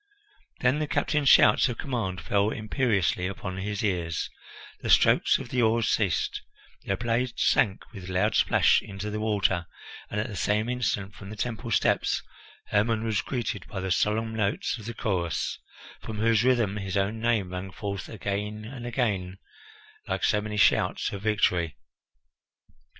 Then the captain's shouts of command fell imperiously upon his ears, the strokes of the oars ceased, their blades sank with a loud splash into the water, and at the same instant from the temple steps Hermon was greeted by the solemn notes of the chorus, from whose rhythm his own name rang forth again and again like so many shouts of victory.